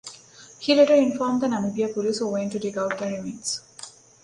He later informed the Namibia Police who went to dig out the remains.